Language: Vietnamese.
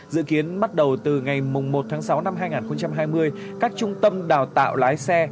dự kiến bắt đầu từ ngày một tháng sáu năm hai nghìn hai mươi các trung tâm đào tạo lái xe